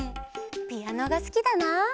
ピアノがすきだな！